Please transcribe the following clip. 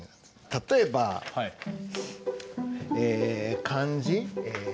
例えばえ漢字？え